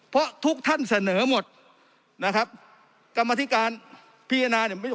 เพราะทุกท่านเสนอหมดนะครับกรรมธิการพิจารณาเนี่ย